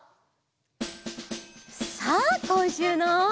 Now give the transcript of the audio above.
さあこんしゅうの。